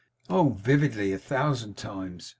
Oh vividly! A thousand times!